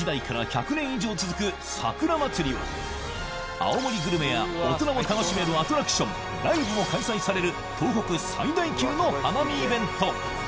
青森グルメや大人も楽しめるアトラクションライブも開催される東北最大級の花見イベント